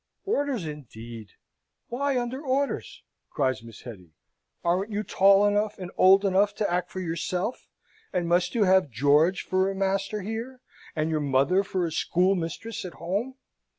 "Orders indeed! Why under orders?" cries Miss Hetty. "Aren't you tall enough, and old enough, to act for yourself, and must you have George for a master here, and your mother for a schoolmistress at home?